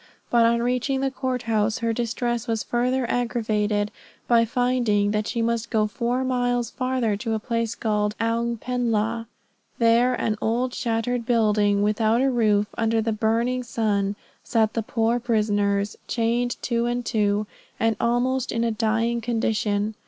But on reaching the court house, her distress was further aggravated, by finding that she must go four miles farther to a place called Oung pen la. There in an old shattered building, without a roof, under the burning sun, sat the poor prisoners, chained two and two, and almost in a dying condition.